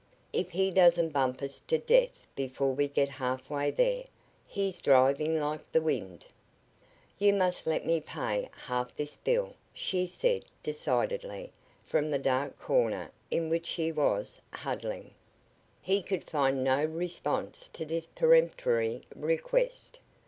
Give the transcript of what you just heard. "If he doesn't bump us to death before we get half way there. He's driving like the wind." "You must let me pay half his bill," she said, decidedly, from the dark corner in which she was huddling. He could find no response to this peremptory request.